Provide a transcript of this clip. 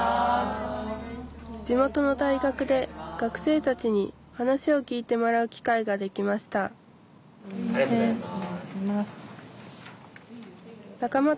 地元の大学で学生たちに話を聞いてもらう機会ができましたありがとうございます。